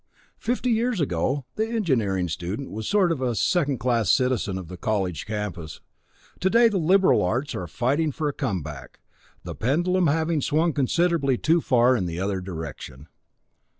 Fifty years ago the engineering student was a sort of Second Class Citizen of the college campus. Today the Liberal Arts are fighting for a come back, the pendulum having swung considerably too far in the other direction.